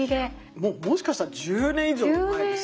もうもしかしたら１０年以上前ですよ。